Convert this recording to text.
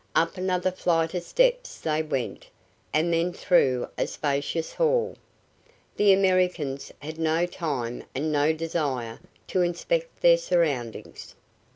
Up another flight of steps they went, and then through a spacious hall. The Americans had no time and no desire to inspect their surroundings.